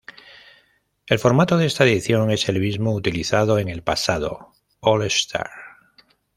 El formato de esta edición es el mismo utilizado en el pasado All-Star.